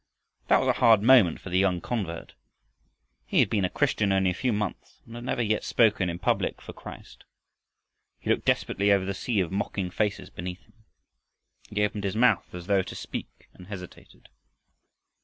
That was a hard moment for the young convert. He had been a Christian only a few months and had never yet spoken in public for Christ. He looked desperately over the sea of mocking faces beneath him. He opened his mouth, as though to speak, and hesitated.